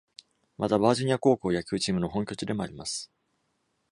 また、バージニア高校野球チームの本拠地でもあります。